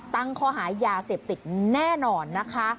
ตั้งข้อหายาเสพติดแน่นอนนะคะ